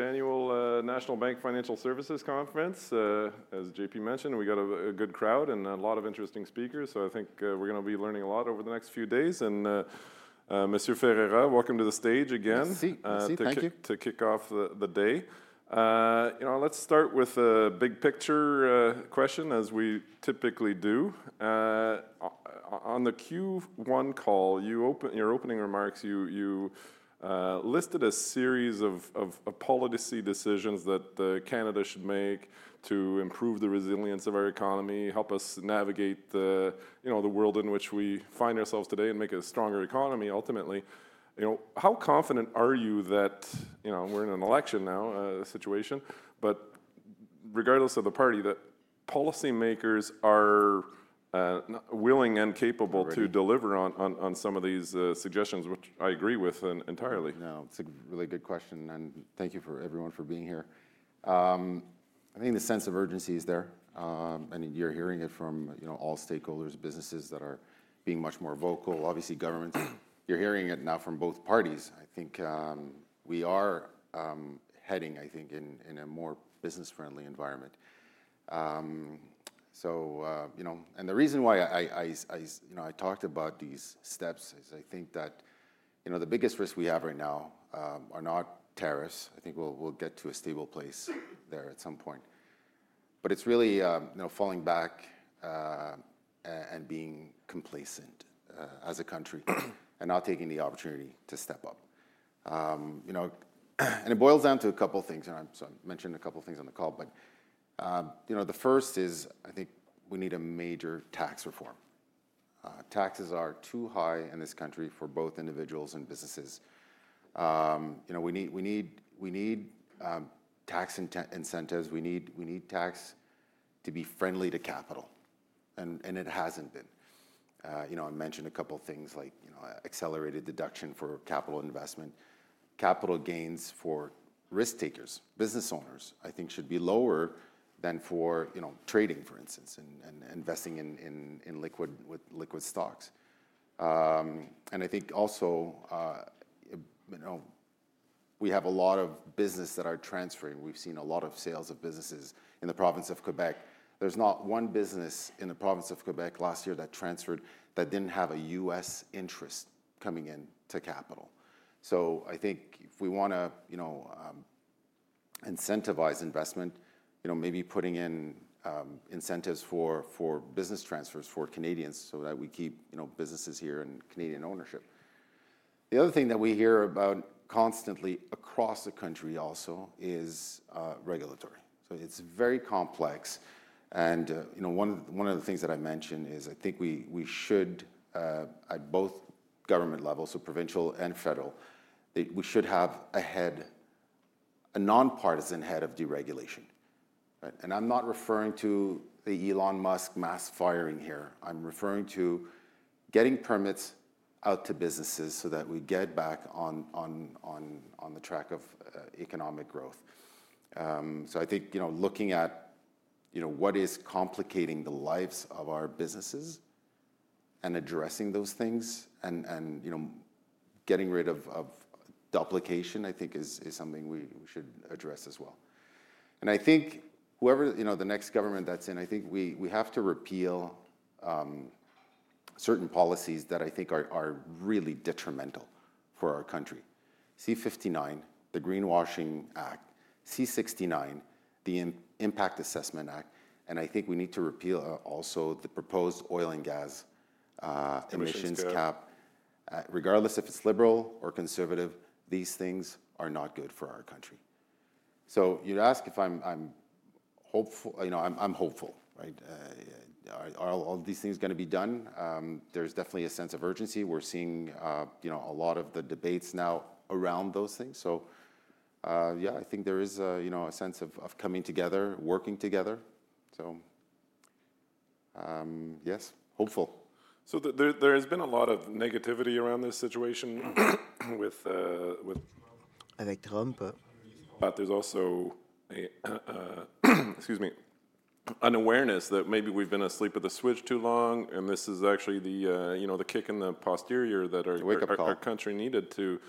Annual National Bank Financial Services Conference. As JP mentioned, we got a good crowd and a lot of interesting speakers. I think we're going to be learning a lot over the next few days. And Monsieur Ferreira, welcome to the stage again. Thank you. To kick off the day, let's start with a big picture question as we typically do on the Q1 call. Your opening remarks, you listed a series of policy decisions that Canada should make to improve the resilience of our economy, help us navigate the world in which we find ourselves today, and make a stronger economy. Ultimately, how confident are you that we're in an election now situation, but regardless of the party, that policymakers are willing and capable to deliver on some of these suggestions, which I agree with entirely. No, it's a really good question and thank you for everyone for being here. I think the sense of urgency is there and you're hearing it from all stakeholders, businesses that are being much more vocal, obviously governments. You're hearing it now from both parties. I think we are heading, I think in a more business friendly environment. The reason why I talked about these steps is I think that, you know, the biggest risk we have right now are not tariffs. I think we'll get to a stable place there at some point. It's really, you know, falling back and being complacent as a country and not taking the opportunity to step up, you know, and it boils down to a couple of things. I mentioned a couple of things on the call. You know, the first is I think we need a major tax reform. Taxes are too high in this country for both individuals and businesses. We need tax incentives. We need tax to be friendly to capital. It hasn't been. I mentioned a couple things like accelerated deduction for capital investment, capital gains for risk takers, business owners I think should be lower than for trading, for instance, and investing in liquid stocks. I think also we have a lot of business that are transferring. We've seen a lot of sales of businesses in the province of Quebec. There's not one business in the province of Quebec last year that transferred that didn't have a U.S. interest coming in to capital. I think if we want to incentivize investment, maybe putting in incentives for business transfers for Canadians so that we keep businesses here and Canadian ownership. The other thing that we hear about constantly across the country also is regulatory. It is very complex. One of the things that I mentioned is I think we should, at both government levels of provincial and federal, have a head, a nonpartisan head of deregulation. I am not referring to the Elon Musk mass firing here. I am referring to getting permits out to businesses so that we get back on the track of economic growth. I think, you know, looking at what is complicating the lives of our businesses and addressing those things and getting rid of duplication, I think is something we should address as well. I think whoever the next government that's in, I think we have to repeal certain policies that I think are really detrimental for our country. C59, the Greenwashing Act, C69, the Impact Assessment Act. I think we need to repeal also the proposed oil and gas emissions cap. Regardless if it's Liberal or Conservative. These things are not good for our country. You ask if I'm hopeful, you know, I'm hopeful, right? Are all these things gonna be done? There's definitely a sense of urgency. We're seeing a lot of the debates now around those things. I think there is a sense of coming together, working together. So. Yes, hopeful. There has been a lot of negativity around this situation with election. But there's also an awareness that maybe we've been asleep at the switch too long. This is actually the, you know, the kick in the posterior that our country needed to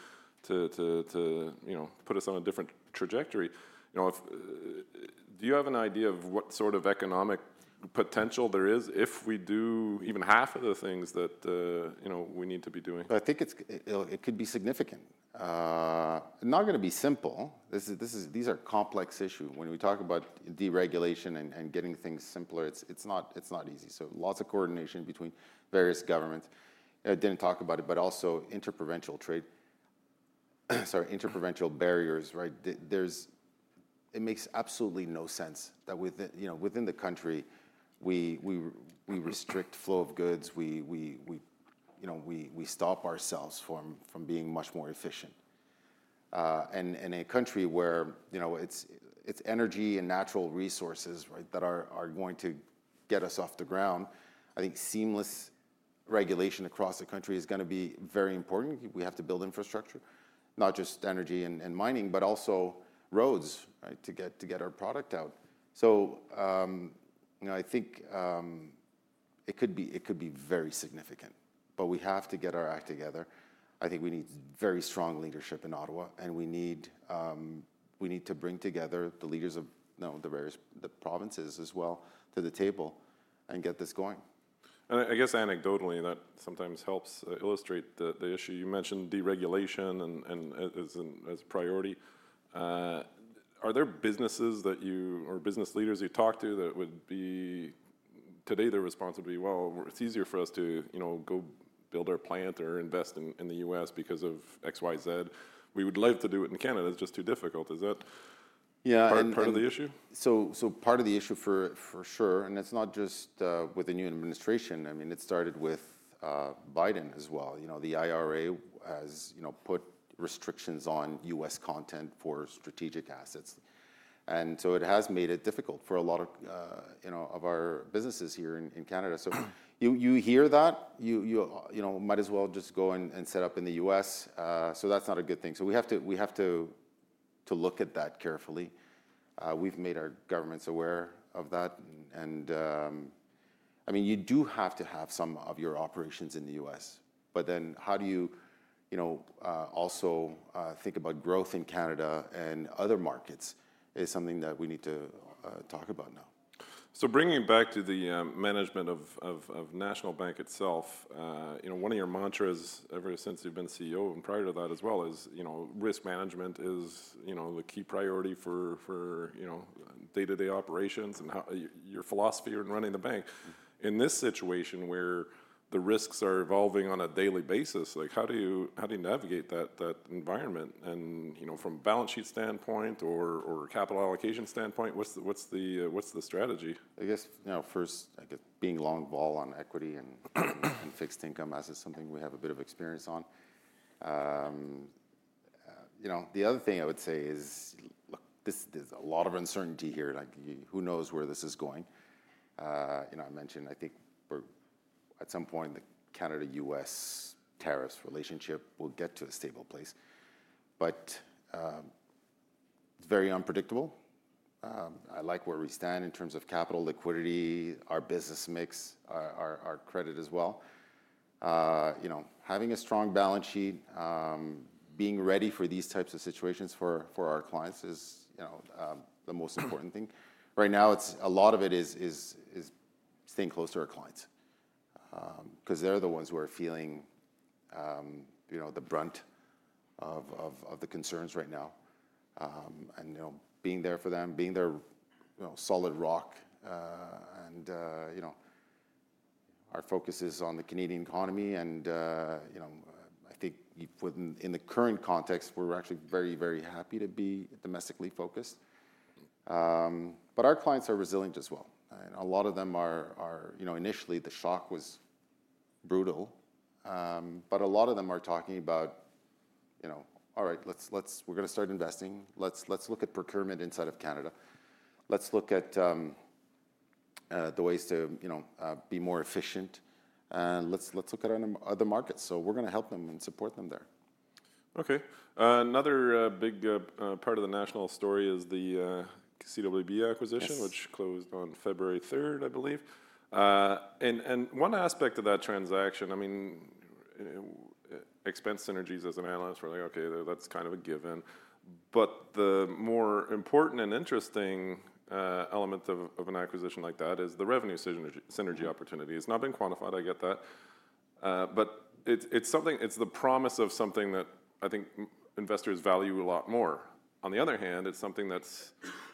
put us on a different trajectory. You know, do you have an idea of what sort of economic potential there is if we do even half of the things that, you know, we need to be doing? I think it could be significant. Not going to be simple. This is, this is. These are complex issues. When we talk about deregulation and getting things simpler, it's not, it's not easy. Lots of coordination between various governments. Did not talk about it, but also interprovincial barriers. It makes absolutely no sense that within the country we restrict flow of goods. We stop ourselves from being much more efficient in a country where it's energy and natural resources that are going to get us off the ground. I think seamless regulation across the country is going to be very important. We have to build infrastructure, not just energy and mining, but also roads to get our product out. I think it could be very significant. We have to get our act together. I think we need very strong leadership in Ottawa and we need to bring together the leaders of the various provinces as well at the table and get this going. I guess anecdotally that sometimes helps illustrate the issue. You mentioned deregulation. As a priority, are there businesses that you or business leaders you talk to that would be today? Their response would be, well, it's easier for us to go build our plant or invest in the U.S. because of xyz. We would love to do it in Canada. It's just too difficult. Is that part of the issue? Part of the issue for sure. It's not just with the new administration. I mean it started with Biden as well. You know, the IRA has put restrictions on US content for strategic assets. It has made it difficult for a lot of our businesses here in Canada. You hear that might as well just go and set up in the U.S. That's not a good thing. We have to look at that carefully. We've made our governments aware of that. I mean you do have to have some of your operations in the U.S., but then how do you also think about growth in Canada and other markets is something that we need to talk about now. Bringing back to the management of National Bank of Canada itself, one of your mantras ever since you've been CEO and prior to that as well is, you know, risk management is, you know, the key priority for, you know, day to day operations. How your philosophy in running the bank in this situation where the risks are evolving on a daily basis, like how do you, how do you navigate that environment and, you know, from a balance sheet standpoint or capital allocation standpoint. What's the, what's the, what's the strategy? I guess now first I get being long ball on equity and fixed income, as is something we have a bit of experience on. You know, the other thing I would say is, look, this is a lot of uncertainty here. Who knows where this is going? You know, I mentioned, I think at some point the Canada-U.S. tariffs relationship will get to a stable place. It is very unpredictable. I like where we stand in terms of capital liquidity. Our business mix, our credit as well, having a strong balance sheet, being ready for these types of situations for our clients is the most important thing right now. A lot of it is staying close to our clients because they're the ones who are feeling the brunt of, of the concerns right now. You know, being there for them, being their solid rock. You know, our focus is on the Canadian economy. You know, I think within, in the current context, we're actually very, very happy to be domestically focused, but our clients are resilient as well. A lot of them are, you know, initially the shock was brutal. A lot of them are talking about, you know, all right, let's, let's, we're going to start investing. Let's look at procurement inside of Canada. Let's look at the ways to, you know, be more efficient and let's, let's look at other markets. We are going to help them and support them there. Okay. Another big part of the national story is the CWB acquisition which closed on February 3rd, I believe. And one aspect of that transaction, I mean expense synergies. As an analyst, we're like, okay, that's kind of a given. But the more important and interesting element of an acquisition like that is the revenue synergy opportunity. It's not been quantified, I get that. But it's the promise of something that I think investors value a lot more. On the other hand, it's something that's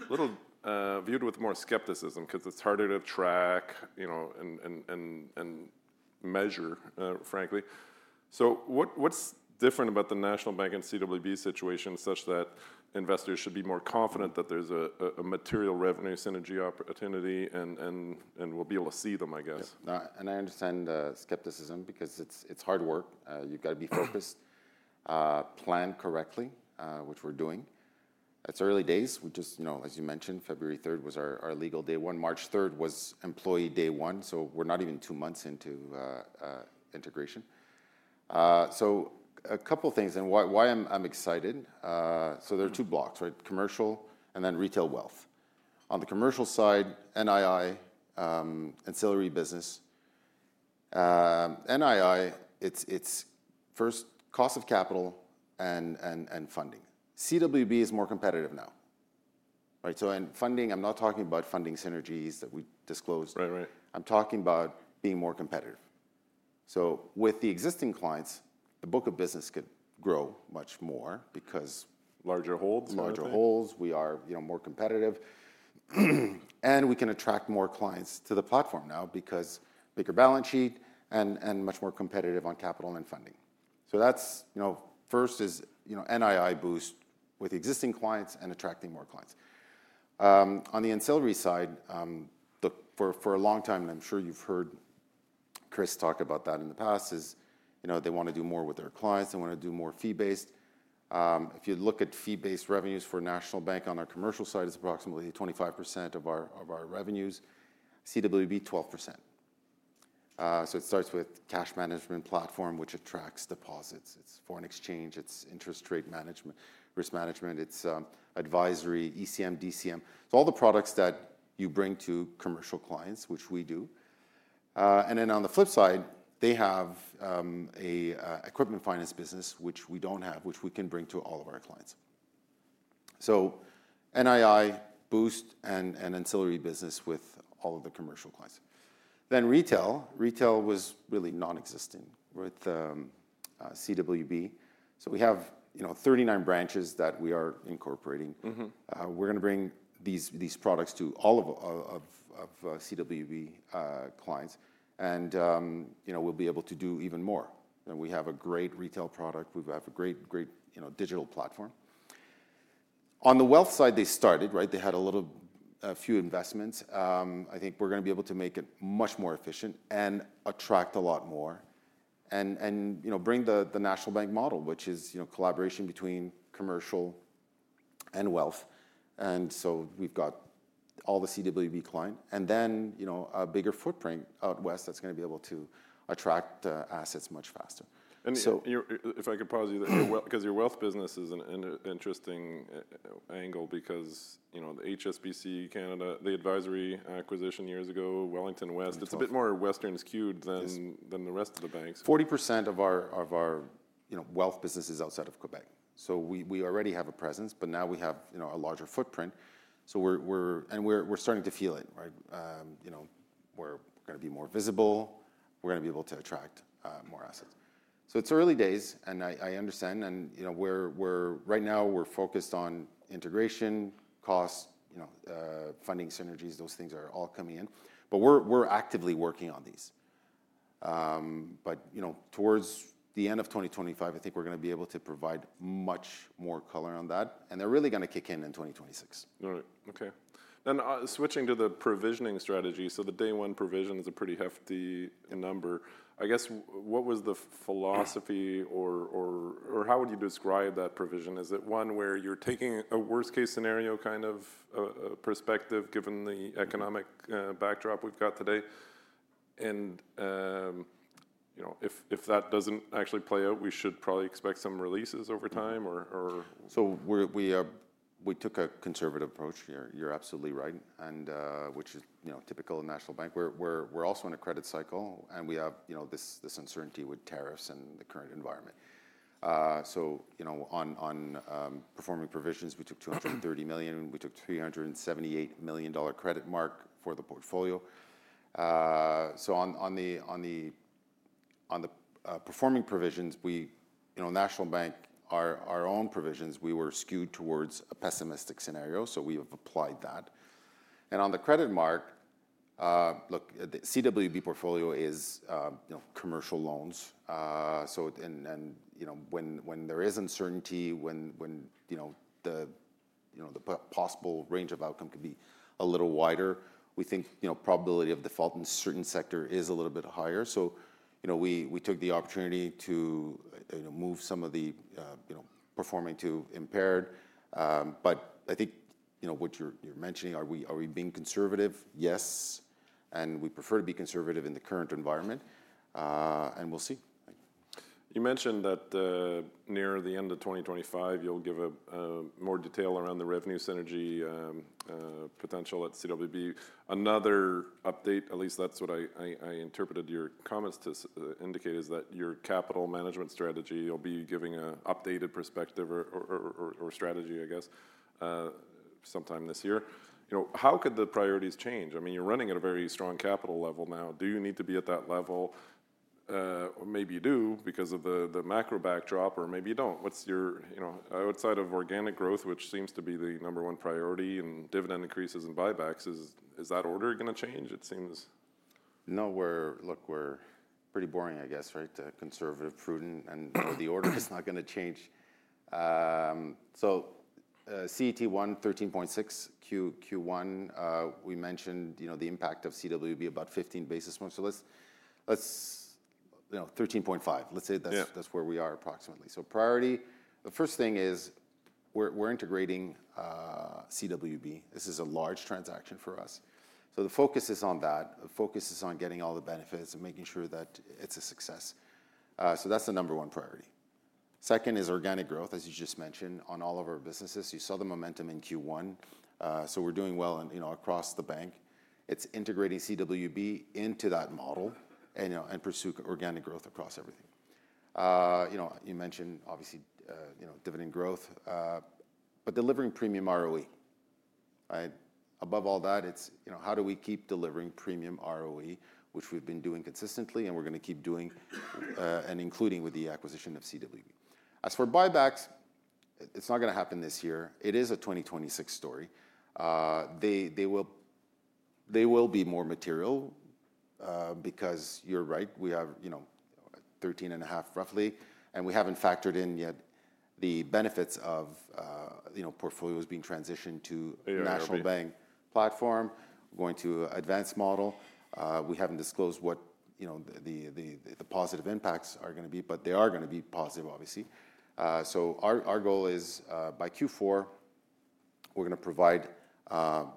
a little viewed with more skepticism because it's harder to track, you know, and measure, frankly. So what's different about the National Bank of Canada and CWB situation? Such that investors should be more confident that there's a material revenue synergy opportunity and we'll be able to see them, I guess. I understand skepticism because it's hard work. You've got to be focused, plan correctly, which we're doing. It's early days, which is, you know, as you mentioned, February 3rd was our legal day one, March 3rd was employee day one. We're not even two months into integration. A couple things and why I'm excited. There are two blocks, right? Commercial and then retail wealth. On the commercial side, NII ancillary business. NII, it's first cost of capital and funding. CWB is more competitive. Now, I'm not talking about funding synergies that we disclosed. I'm talking about being more competitive. With the existing clients, the book of business could grow much more because larger holds, larger holds, we are more competitive and we can attract more clients to the platform now because bigger balance sheet and much more competitive on capital and funding. That's first is NII boost with existing clients and attracting more clients on the ancillary side for a long time, and I'm sure you've heard Chris talk about that in the past is they want to do more with their clients. They want to do more fee based. If you look at fee based revenues for National Bank on our commercial side, it's approximately 25% of our revenues. CWB 12%. It starts with cash management platform which attracts deposits. It's foreign exchange. It's interest rate management, risk management, it's advisory, ECM, DCM. It's all the products that you bring to commercial clients which we do. On the flip side they have an equipment finance business which we don't have which we can bring to all of our clients. NII boost and ancillary business with all of the commercial clients. Then retail. Retail was really non-existent with CWB. We have 39 branches that we are incorporating. We're gonna bring these products to all of CWB clients and we'll be able to do even more. We have a great retail product, we have a great, you know, digital platform. On the wealth side they started right, they had a little few investments. I think we're going to be able to make it much more efficient and attract a lot more and, you know, bring the National Bank model which is, you know, collaboration between commercial and wealth. We have all the CWB client and then, you know, a bigger footprint out west that's going to be able to attract assets much faster. If I could pause you because your wealth business is an interesting angle because you know the HSBC Canada, the advisory acquisition years ago, Wellington West, it is a bit more western skewed than the rest of the banks. 40% of our wealth businesses outside of Quebec. We already have a presence but now we have a larger footprint. We are starting to feel it right where we are going to be more visible, we are going to be able to attract more assets. It is early days and I understand and right now we are focused on integration costs, funding synergies, those things are all coming in. We are actively working on these. Towards the end of 2025 I think we are going to be able to provide much more color on that and they are really going to kick in in 2026. Okay, then switching to the provisioning strategy. The day one provision is a pretty hefty number I guess. What was the philosophy or how would you describe that provision? Is it one where you're taking a worst case scenario kind of perspective given the economic backdrop we've got today? If that doesn't actually play out, we should probably expect some releases over time or so. We took a conservative approach. You're absolutely right. Which is typical of National Bank. We're also in a credit cycle and we have this uncertainty with tariffs and the current environment. On performing provisions we took $230 million, we took $378 million credit mark for the portfolio. On the performing provisions, you know, National Bank, our own provisions, we were skewed towards a pessimistic scenario. We have applied that. On the credit mark, look, the CWB portfolio is, you know, commercial loans. You know, when there is uncertainty, when, you know, the possible range of outcome could be a little wider, we think, you know, probability of default in certain sector is a little bit higher. You know, we took the opportunity to move some of the performing to impaired. I think, you know, what you're mentioning. Are we being conservative? Yes, we prefer to be conservative in the current environment. We'll see. You mentioned that near the end of 2025, you'll give more detail around the revenue synergy potential at CWB. Another update, at least that's what I interpreted your comments to indicate, is that your capital management strategy will be giving an updated perspective or strategy, I guess sometime this year. How could the priorities change? I mean, you're running at a very strong capital level now. Do you need to be at that level? Maybe you do because of the macro backdrop or maybe you don't. Outside of organic growth, which seems to be the number one priority, and dividend increases and buybacks, is that order going to change? It seems. No, we're, look, we're pretty boring, I guess, right? Conservative, prudent and the order is not going to change. CET1, 13.6, Q1, we mentioned, you know, the impact of CWB about 15 basis points. Let's, you know, 13.5, let's say that's where we are approximately. Priority. The first thing is we're integrating CWB. This is a large transaction for us. The focus is on that. The focus is on getting all the benefits and making sure that it's a success. That's the number one priority. Second is organic growth, as you just mentioned on all of our businesses. You saw the momentum in Q1. We're doing well across the bank. It's integrating CWB into that model and pursuing organic growth across everything. You know, you mentioned, obviously, you know, dividend growth, but delivering premium ROE. Above all that. It's, you know, how do we keep delivering premium ROE, which we've been doing consistently and we're going to keep doing and including with the acquisition of CWB. As for buybacks, it's not going to happen this year. It is a 2026 story. They will be more material because you're right, we have, you know, 13.5 roughly and we haven't factored in yet the benefits of, you know, portfolios being transitioned to National Bank platform, going to advanced model. We haven't disclosed what, you know, the positive impacts are going to be, but they are going to be positive, obviously. Our goal is by Q4, we're going to provide,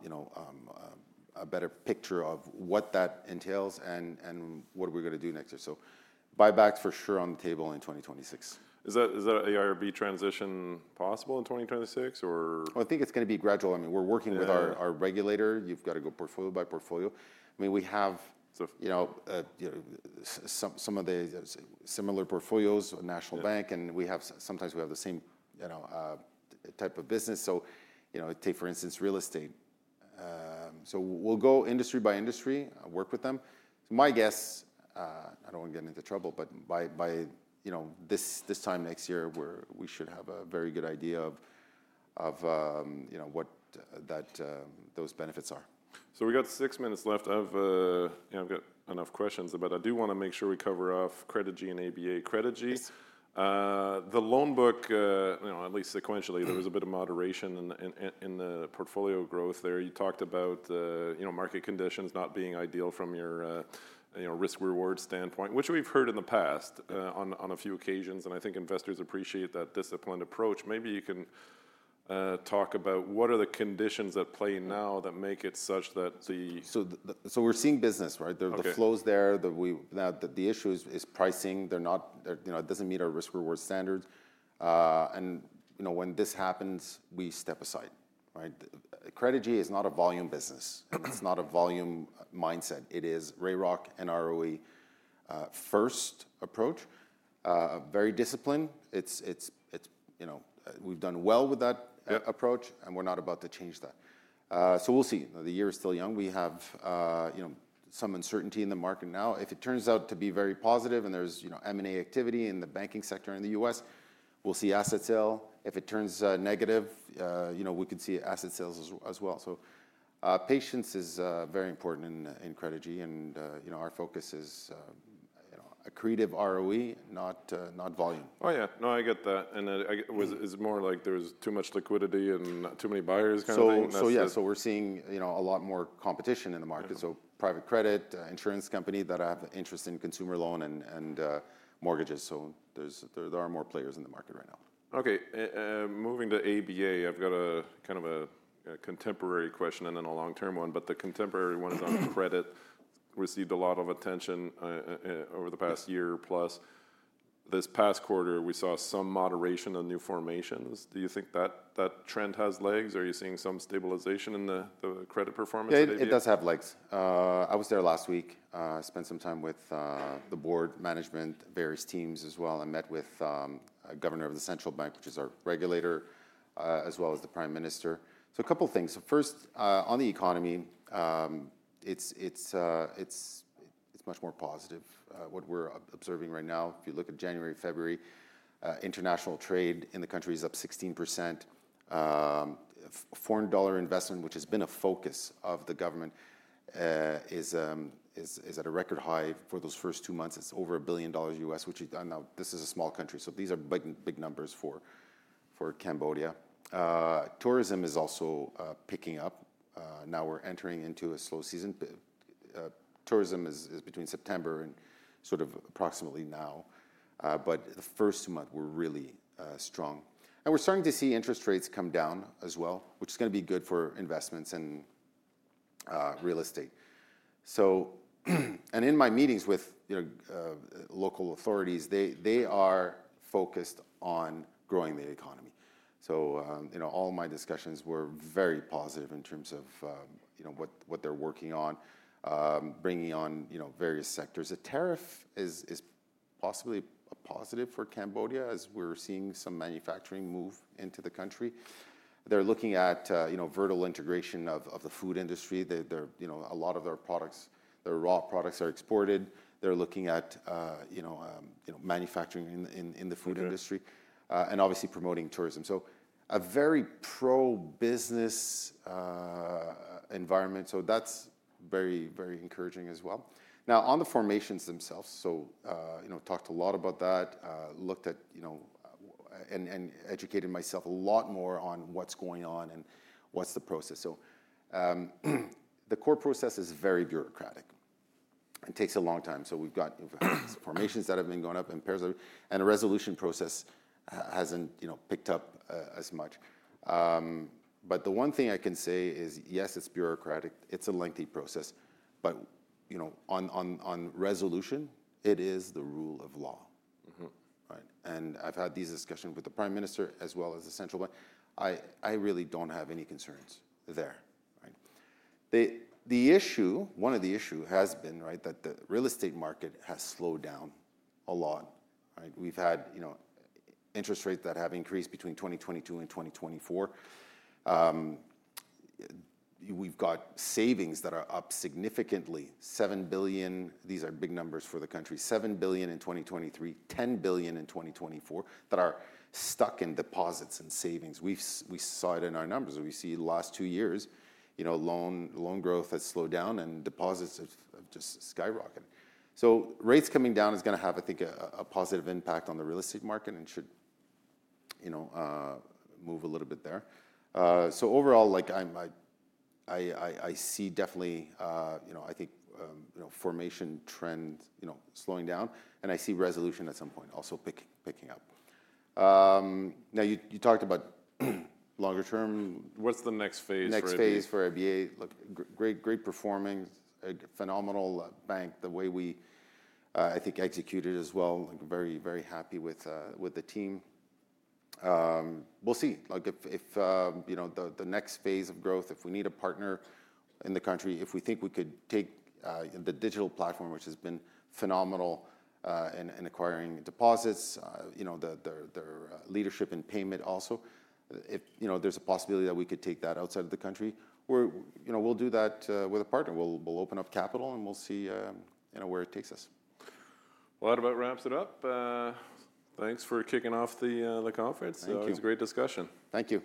you know, a better picture of what that entails and what are we going to do next year. Buybacks for sure on the table in 2026. Is that AIRB transition possible in 2026 or? I think it's going to be gradual. I mean, we're working with our regulator. You've got to go portfolio by portfolio. I mean, we have, you know, some of the similar portfolios, National Bank, and we have, sometimes we have the same, you know, type of business. You know, take for instance, real estate. We will go industry by industry, work with them. My guess, I don't want to get into trouble, but by, you know, this time next year, we should have a very good idea of, you know, what those benefits are. We got six minutes left. I've got enough questions, but I do want to make sure we cover off Credigy and ABA Credigy, the loan book, at least sequentially. There was a bit of moderation in the portfolio growth there. You talked about market conditions not being ideal from your risk reward standpoint, which we've heard in the past on a few occasions. I think investors appreciate that disciplined approach. Maybe you can talk about what are the conditions at play now that make it such that the. We're seeing business, right? The flows there. The issue is pricing. They're not, you know, it doesn't meet our risk reward standards. And, you know, when this happens, we step aside. Credigy is not a volume business. It's not a volume mindset. It is ROE and ROA first approach, very disciplined. It's, you know, we've done well with that approach and we're not about to change that. We'll see. The year is still young. We have, you know, some uncertainty in the market now. If it turns out to be very positive and there's, you know, M&A activity in the banking sector in the U.S. we'll see assets sell. If it turns negative, you know, we could see asset sales as well. Patience is very important in Credigy. And, you know, our focus is, you know, accretive ROE, not, not volume. Oh, yeah, no, I get that. It's more like there's too much liquidity and too many buyers. Yeah, we're seeing a lot more competition in the market. Private credit, insurance company that have interest in consumer loan and mortgages. There are more players in the market right now. Okay. Moving to ABA, I've got a kind of a contemporary question and then a long term one, but the contemporary one is on credit, received a lot of attention over the past year. Plus, this past quarter we saw some moderation on new formations. Do you think that that trend has legs? Are you seeing some stabilization in the credit, credit performance? It does have legs. I was there last week, spent some time with the board management, various teams as well. I met with the governor of the central bank, which is our regulator, as well as the Prime Minister. A couple things. First, on the economy, it is much more positive. What we're observing right now, if you look at January, February, international trade in the country is up 16%. Foreign Direct Investment, which has been a focus of the government, is at a record high for those first two months. It is over $1 billion, which, this is a small country. These are big numbers for Cambodia. Tourism is also picking up now. We are entering into a slow season. Tourism is between September and sort of approximately now, but the first month were really strong and we're starting to see interest rates come down as well, which is going to be good for investments in real estate. In my meetings with local authorities, they are focused on growing the economy. All my discussions were very positive in terms of what they're working on bringing on various sectors. The tariff is possibly a positive for Cambodia as we're seeing some manufacturing move into the country. They're looking at, you know, vertical integration of the food industry. A lot of their products, their raw products, are exported. They're looking at, you know, you know, manufacturing in the food industry and obviously promoting tourism. A very pro business environment. That's very, very encouraging as well. Now on the formations themselves. You know, talked a lot about that, looked at, you know, and educated myself a lot more on what's going on and what's the process. The core process is very bureaucratic. It takes a long time. We've got formations that have been going up and impairs and a resolution process hasn't, you know, picked up as much. The one thing I can say is yes, it's bureaucratic, it's a lengthy process. You know, on resolution it is the rule of law and I've had these discussions with the Prime Minister as well as the central bank. I really don't have any concerns there. Right. The issue, one of the issue has been, right, that the real estate market has slowed down a lot. Right. We've had, you know, interest rates that have increased between 2022 and 2024. We've got savings that are up significantly. $7 billion. These are big numbers for the country. $7 billion in 2023, $10 billion in 2024 that are stuck in deposits and savings. We saw it in our numbers. We see the last two years loan growth has slowed down and deposits have just skyrocketed. Rates coming down is going to have, I think, a positive impact on the real estate market and should move a little bit there. Overall, I see definitely, I think, formation trend slowing down and I see resolution at some point also picking up. Now you talked about longer term. What's the next phase? Next phase for ABA. Great, great performing, phenomenal bank. The way we, I think, executed as well. Very, very happy with the team. We'll see, like, if, you know, the next phase of growth, if we need a partner in the country, if we think we could take the digital platform, which has been phenomenal in acquiring deposits, you know, their leadership in payment also, if there's a possibility that we could take that outside of the country, we'll do that with a partner. We'll open up capital and we'll see where it takes us. That about wraps it up. Thanks for kicking off the conference. It was a great discussion. Thank you.